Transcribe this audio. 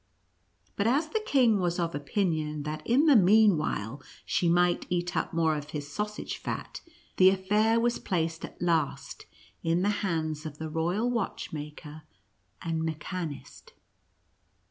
But as the king was of opinion that in the meanwhile she might eat up more of his sausage fat, the affair was placed at last in the hands of the royal watchmaker and mechanist.